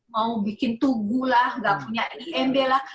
mau bikin tugu lah gak punya imb lah